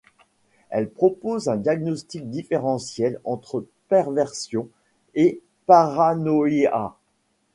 Elle propose un diagnostic différentiel entre perversion et paranoïa.